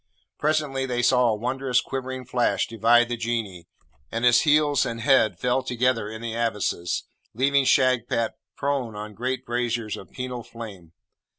Presently they saw a wondrous quivering flash divide the Genie, and his heels and head fell together in the abysses, leaving Shagpat prone on great brasiers of penal flame.